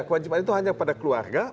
kewajiban itu hanya pada keluarga